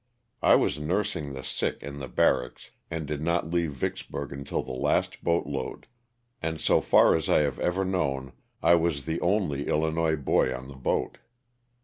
I was nursing the sick in the barracks and did not leave Vicksburg until the last boat load, and so far as I have ever known I was the only Illinois boy on the boat.